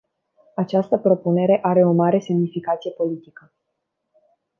Această propunere are o mare semnificație politică.